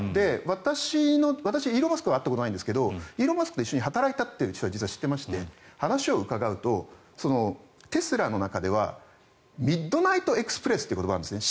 私、イーロン・マスクは会ったことないんですがイーロン・マスクと一緒に働いたという人は知っていまして話を伺うとテスラの中ではミッドナイトエクスプレスという言葉があるんですね。